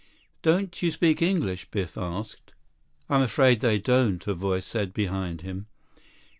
"Don't you speak English?" Biff asked. "I'm afraid they don't," a voice said behind him.